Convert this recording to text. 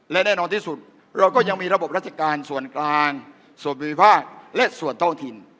และแน่นอนที่สุดเราก็ยังมีระบบราชการส่วนกลางส่วนบริภาคและส่วนท้องถิ่น